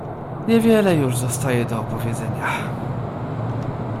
"Niewiele już pozostaje do opowiedzenia."